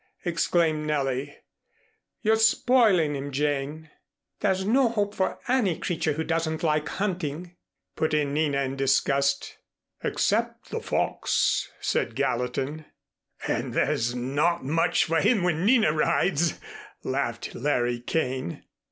exclaimed Nellie. "You're spoiling him, Jane." "There's no hope for any creature who doesn't like hunting," put in Nina in disgust. "Except the fox," said Gallatin. "And there's not much for him when Nina rides," laughed Larry Kane.